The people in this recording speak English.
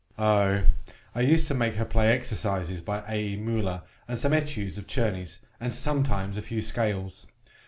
MR. FEEBLE. Oh! I used to make her play exercises by A.E. Mueller, and some Etudes of Czerny's, and sometimes a few scales.